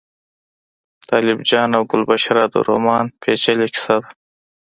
طالب جان او ګلبشره د رومان پېچلې کیسه ده.